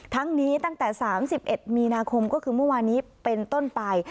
ทั้งนี้ตั้งแต่๓๑มีนาคมก็คือเมื่อวานี้เป็นต้นไป